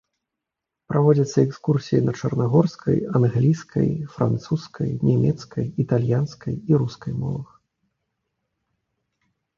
Праводзяцца экскурсіі на чарнагорскай, англійскай, французскай, нямецкай, італьянскай і рускай мовах.